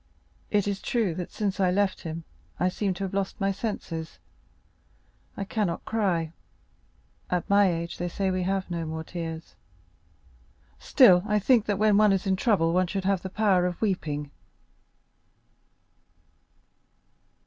It is true that since I left him, I seem to have lost my senses. I cannot cry; at my age they say that we have no more tears,—still I think that when one is in trouble one should have the power of weeping.